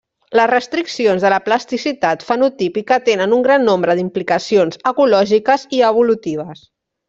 Les restriccions de la plasticitat fenotípica tenen un gran nombre d'implicacions ecològiques i evolutives.